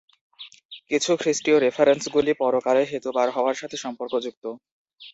কিছু খ্রীষ্টীয় রেফারেন্সগুলি পরকালে সেতু পার হওয়ার সাথে সম্পর্কযুক্ত।